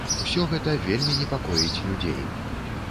Усё гэта вельмі непакоіць людзей.